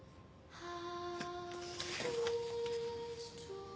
はあ？